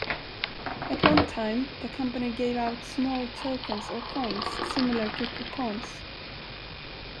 At one time, the company gave out small tokens or coins, similar to coupons.